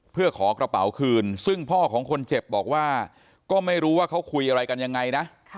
เพื่อขอกระเป๋าคืนซึ่งพ่อของคนเจ็บบอกว่าก็ไม่รู้ว่าเขาคุยอะไรกันยังไงนะ